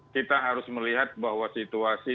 kita harus melihat bahwa situasi